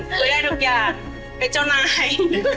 คือได้ทุกอย่างเป็นเจ้านาย